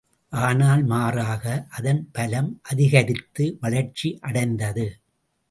ஆனால் மாறாக, அதன் பலம் அதிகரித்து, வளர்ச்சி அடைந்தது.